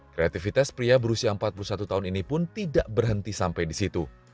kreativitas pria berusia empat puluh satu tahun ini pun tidak berhenti sampai di situ